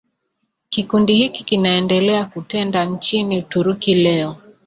Kikundi hiki kinaendelea kutenda nchini Uturuki leo